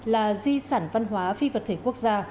là di sản văn hóa phi vật thể quốc gia